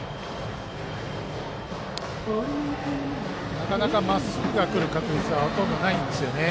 なかなかまっすぐがくる確率はあんまりないんですね。